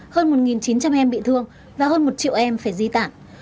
hơn một chín trăm linh em bị thương và hơn một triệu em phải di tản